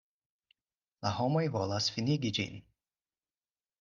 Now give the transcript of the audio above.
La homoj volas finigi ĝin.